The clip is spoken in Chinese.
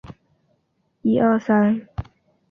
本道路同时为环绕横滨市之横滨环状道路的一部份。